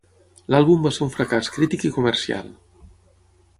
L'àlbum va ser un fracàs crític i comercial.